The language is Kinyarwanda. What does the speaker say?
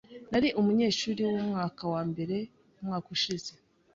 Nari umunyeshuri wumwaka wa mbere umwaka ushize.